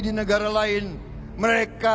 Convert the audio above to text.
di negara lain mereka